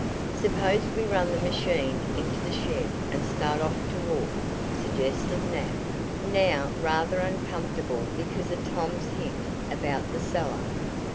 "Suppose we run the machine into the shed and start off to walk?" suggested Nat, now rather uncomfortable because of Tom's hint about the cellar.